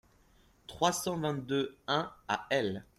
trois cent vingt-deux-un à L.